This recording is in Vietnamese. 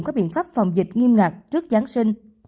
có biện pháp phòng dịch nghiêm ngặt trước giáng sinh